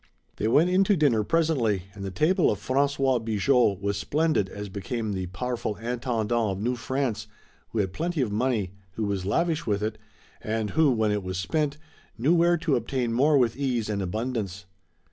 They went in to dinner presently and the table of François Bigot was splendid as became the powerful Intendant of New France, who had plenty of money, who was lavish with it and who, when it was spent, knew where to obtain more with ease and in abundance.